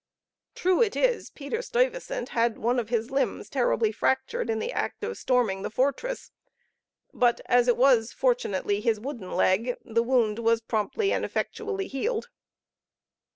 True it is, Peter Stuyvesant had one of his limbs terribly fractured in the act of storming the fortress; but as it was fortunately his wooden leg, the wound was promptly and effectually healed.